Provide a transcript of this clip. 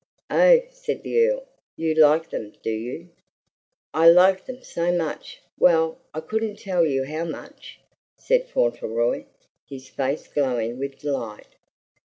"Oh!" said the Earl, "you like them, do you?" "I like them so much well, I couldn't tell you how much!" said Fauntleroy, his face glowing with delight.